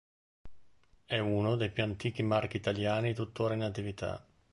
È uno dei più antichi marchi italiani tuttora in attività.